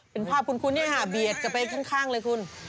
เป็นภาพคุณเนี่ยค่ะเบียดกับเพลงข้างเลยคุณ